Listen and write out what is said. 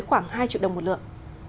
khoảng hai triệu đồng một lượng